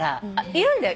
いるんだよ。